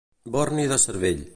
Borni de cervell.